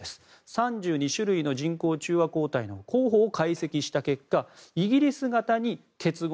３２種類の人工中和抗体の候補を解析した結果イギリス型に結合